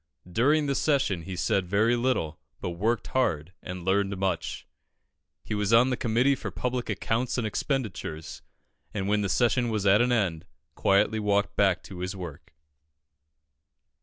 During the session, he said very little, but worked hard and learned much. He was on the Committee for Public Accounts and Expenditures, and when the session was at an end, quietly walked back to his work.